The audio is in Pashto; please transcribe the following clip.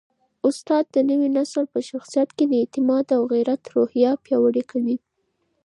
استاد د نوي نسل په شخصیت کي د اعتماد او غیرت روحیه پیاوړې کوي.